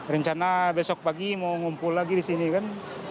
rencana besok pagi mau ngumpul lagi di sini kan